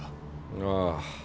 ああ。